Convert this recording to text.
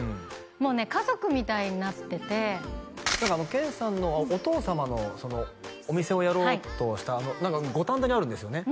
もうね家族みたいになってて謙さんのお父様のお店をやろうとした何か五反田にあるんですよね？